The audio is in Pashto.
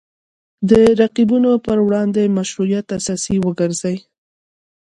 د رقیبو پر وړاندې مشروعیت اساس وګرځي